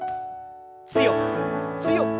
強く強く。